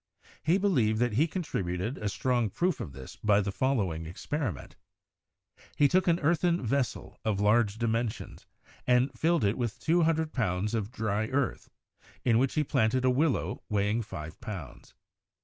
He believed that he contrib uted a strong proof of this by the following experiment: He took an earthen vessel of large dimensions, and filled it with two hundred pounds of dry earth, in which he planted a willow weighing five pounds.